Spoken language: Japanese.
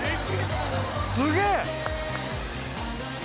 すげえ！